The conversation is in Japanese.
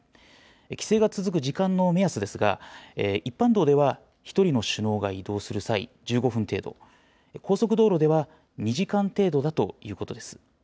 規制が続く時間の目安ですが、一般道では１人の首脳が移動する際１５分程度、高速道路では２時間程度だということです。